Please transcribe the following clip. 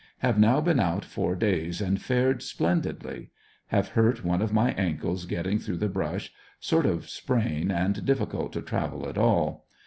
Have now been out four days and fared splendidly. Have hurt one of my ankles getting through the brush ; sort of sprain, and difficult to travel at all.